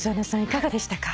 いかがでしたか？